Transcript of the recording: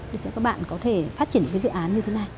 để cho các bạn có thể phát triển những cái dự án như thế này